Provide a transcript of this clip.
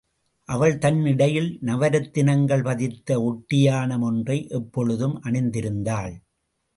அவள் தன் இடையில் நவரத்தினங்கள் பதித்த ஒட்டியாணம் ஒன்றை எப்பொழுதும் அணிந்திருந்தாள்.